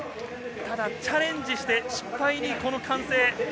チャレンジして失敗に、この歓声。